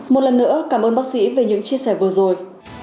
một lần nữa cảm ơn bác sĩ về những chia sẻ vừa rồi